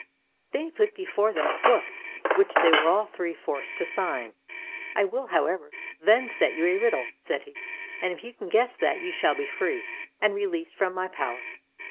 Then he put before them a book which they were all three forced to sign. "I will, however, then set you a riddle," said he, "and if you can guess that, you shall be free, and released from my power."